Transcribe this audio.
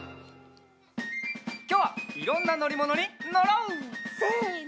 きょうはいろんなのりものにのろう！せの！